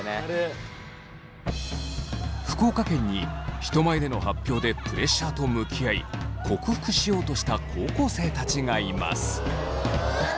福岡県に人前での発表でプレッシャーと向き合い克服しようとした高校生たちがいます。